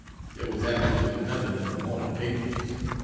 There was absolutely nothing in the morning papers.